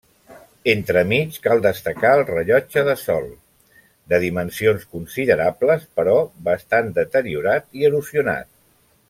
Entremig, cal destacar el rellotge de sol, de dimensions considerables, però bastant deteriorat i erosionat.